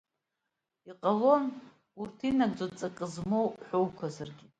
Иҟалон урҭ инагӡоу, ҵакык змоу ҳәоуқәазаргьы.